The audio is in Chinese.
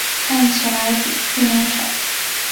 看起来比去年少